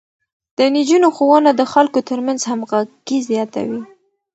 د نجونو ښوونه د خلکو ترمنځ همغږي زياتوي.